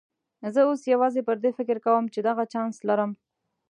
زه اوس یوازې پر دې فکر کوم چې دغه چانس لرم.